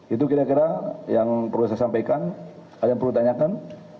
itu kira kira yang perlu saya sampaikan kalian perlu tanyakan